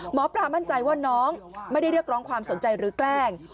หมอปลามั่นใจว่าน้องไม่ได้เรียกร้องความสนใจหรือแกล้ง